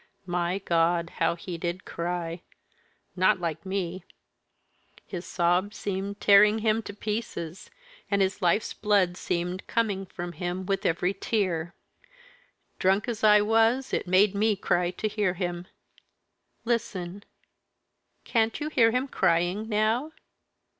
My God, how he did cry! not like me. His sobs seemed tearing him to pieces, and his life's blood seemed coming from him with every tear. Drunk as I was, it made me cry to hear him. Listen! Can't you hear him crying now?